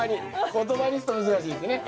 言葉にすると難しいですね。